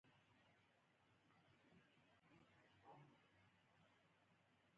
د ښوونې او روزنې نظام باید د ټولنې اړتیاوو ته ځواب ووايي.